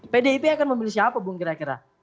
pdip akan memilih siapa bung kira kira